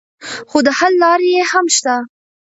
خو د حل لارې یې هم شته.